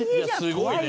すごいね。